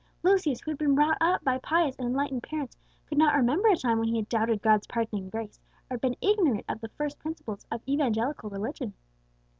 Lucius, who had been brought up by pious and enlightened parents, could not remember a time when he had doubted God's pardoning grace, or been ignorant of the first principles of evangelical religion.